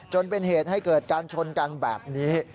จนเป็นเหตุให้เกิดการชนกันแบบนี้